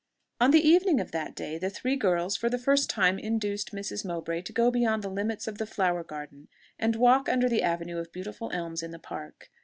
On the evening of that day, the three girls for the first time induced Mrs. Mowbray to go beyond the limits of the flower garden, and walk under the avenue of beautiful elms in the Park.